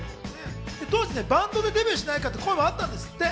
当時バンドでデビューしないかっていう声もあったんですって。